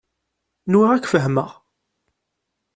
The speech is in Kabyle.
Nwiɣ ad k-fehmeɣ.